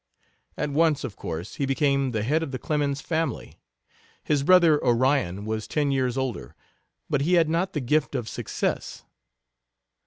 At once, of course, he became the head of the Clemens family. His brother Orion was ten years older, but he had not the gift of success.